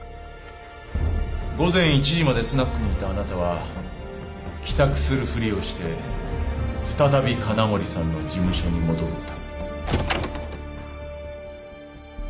午前１時までスナックにいたあなたは帰宅するふりをして再び金森さんの事務所に戻った。